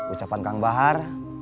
ucapan kang bahar